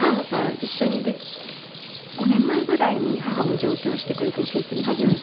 ５年前ぐらいに母も上京してくれて一緒に住み始めて。